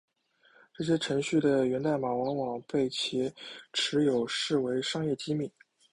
这些程序的源代码往往被其持有者视为商业机密。